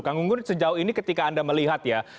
kang gunggun sejauh ini ketika anda melihat ya